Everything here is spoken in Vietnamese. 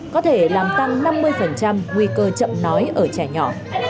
có thể làm tăng năm mươi nguy cơ chậm nói ở trẻ nhỏ